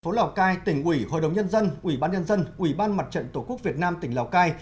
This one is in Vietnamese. phố lào cai tỉnh ủy hội đồng nhân dân ủy ban nhân dân ủy ban mặt trận tổ quốc việt nam tỉnh lào cai